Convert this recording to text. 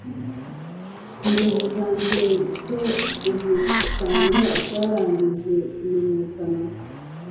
inzozi zanjye zo kugusanga zarangije kumenyekana